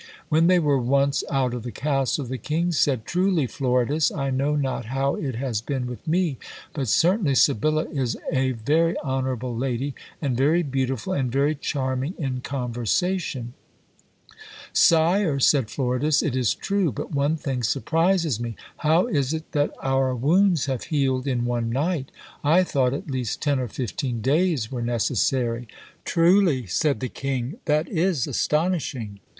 When they were once out of the castle, the king said, "Truly, Floridas, I know not how it has been with me; but certainly Sebilla is a very honourable lady, and very beautiful, and very charming in conversation. Sire (said Floridas), it is true; but one thing surprises me: how is it that our wounds have healed in one night? I thought at least ten or fifteen days were necessary. Truly, said the king, that is astonishing!